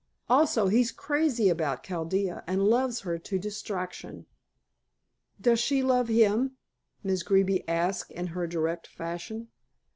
Also, he's crazy about Chaldea, and loves her to distraction." "Does she love him?" Miss Greeby asked in her direct fashion.